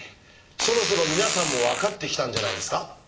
そろそろ皆さんも分かってきたんじゃないですか？